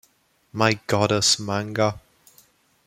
My Goddess manga.